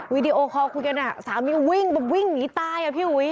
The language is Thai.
วีดีโอคอล์คุยกันสามีวิ่งแบบวิ่งหนีตาย